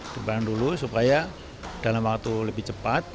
ke bandung dulu supaya dalam waktu lebih cepat